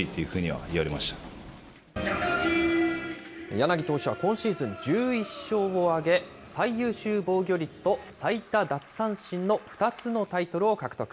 柳投手は今シーズン１１勝を挙げ、最優秀防御率と最多奪三振の２つのタイトルを獲得。